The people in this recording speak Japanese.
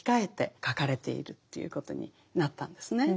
書かれているということになったんですね。